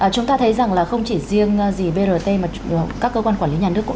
chúng ta thấy rằng là không chỉ riêng gì brt mà các cơ quan quản lý nhà nước cũng